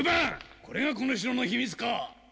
これがこの城の秘密か？